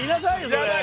それ。